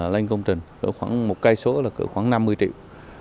lên công trình khoảng một cây số là khoảng năm mươi triệu